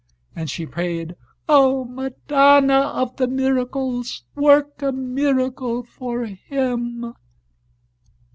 And she prayed: "O Madonna of the Miracles, work a miracle for him!"